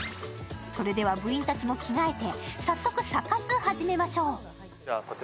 それでは部員たちも着替えて、早速サ活始めましょう。